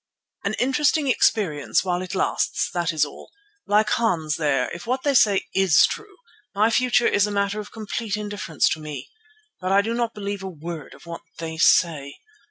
"An interesting experience while it lasts; that is all. Like Hans there, if what they say is true, my future is a matter of complete indifference to me. But I do not believe a word of what they say.